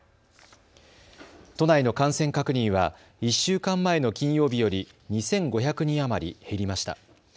都内の感染確認は１週間前の金曜日より２５００人余り減りました。